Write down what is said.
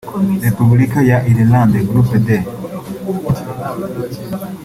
Repubulika ya Ireland (Group D)